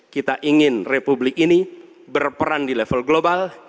kita ingin republik ini berperan di level global